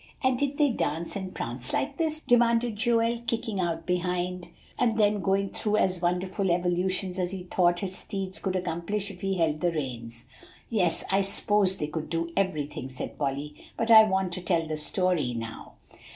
and did they dance and prance like this?" demanded Joel, kicking out behind, and then going through as wonderful evolutions as he thought his steeds could accomplish if he held the reins. "Yes, I s'pose they could do everything," said Polly; "but I want to tell the story now."